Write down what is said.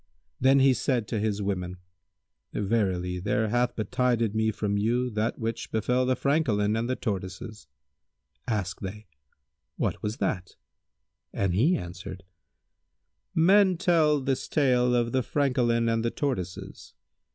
Then he said to his women, "Verily, there hath betided me from you that which befel the Francolin and the Tortoises." Asked they, "What was that?"; and he answered, "Men tell this tale of The Francolin and the Tortoises."